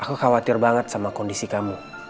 aku khawatir banget sama kondisi kamu